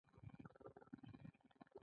دا قوانین په هر ټولنیز او اقتصادي نظام کې وي.